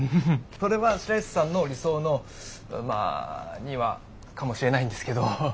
それは白石さんの理想のまあ庭かもしれないんですけど。